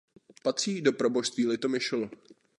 Patří do proboštství Litomyšl.